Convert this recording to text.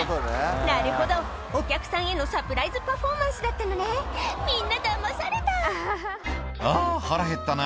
なるほどお客さんへのサプライズパフォーマンスだったのねみんなダマされた「あ腹へったな」